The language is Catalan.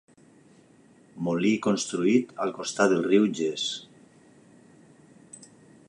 Molí construït al costat del riu Ges.